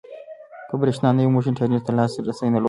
که برېښنا نه وي موږ انټرنيټ ته لاسرسی نلرو.